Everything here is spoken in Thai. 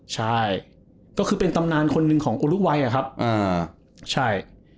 ใช่ก็คือเป็นตำนานคนหนึ่งของอุรุไวน์อะครับอ่าใช่